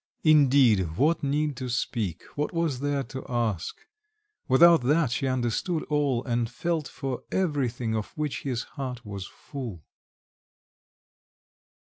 Indeed, what need to speak, what was there to ask? Without that she understood all, and felt for everything of which his heart was full.